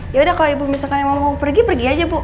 yaudah kalau ibu misalkan mau pergi pergi aja bu